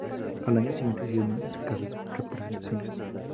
Al año siguiente hicieron escasas presentaciones.